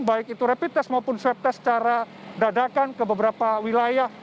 baik itu rapid test maupun swab test secara dadakan ke beberapa wilayah